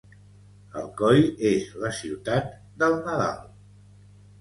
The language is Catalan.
Alcoi és la ciutat del Nadal